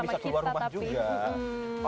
bisa keluar rumah juga